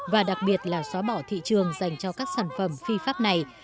và đặc biệt là xóa bỏ thị trường dành cho các sản phẩm phi pháp này